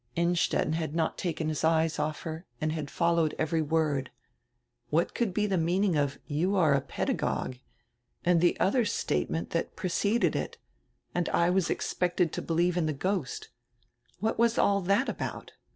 Innstetten had not taken his eyes, off her and had fol lowed every word. What could be die meaning of "You are a pedagogue," and die odier statement diat preceded, "And I was expected to helieve in die ghost?" What was all that about?